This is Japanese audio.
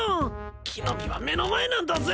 木の実は目の前なんだぜ！？